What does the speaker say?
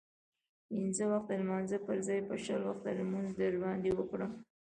د پنځه وخته لمانځه پرځای به شل وخته لمونځ در باندې وکړم.